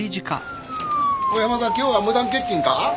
小山田今日は無断欠勤か？